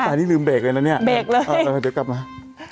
อุ๊ยตอนนี้ลืมเบรกเลยแล้วเนี่ยเอาเลยเดี๋ยวกลับมา